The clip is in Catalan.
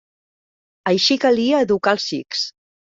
Així calia educar els xics.